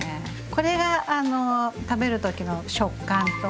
これが食べる時の食感と。